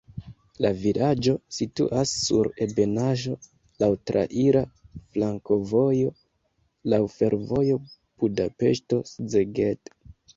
La vilaĝo situas sur ebenaĵo, laŭ traira flankovojo, laŭ fervojo Budapeŝto-Szeged.